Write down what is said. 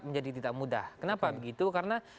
menjadi tidak mudah kenapa begitu karena